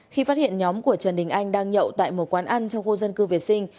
khi phát hiện nhóm của trần đình anh đang nhậu tại một quán ăn trong khu dân cư vệ sinh